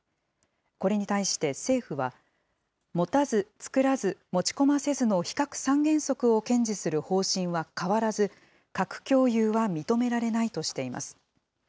これに対して政府は、持たず、作らず、持ち込ませずの非核三原則を堅持する方針は変わらず、核共有は認められないとしています。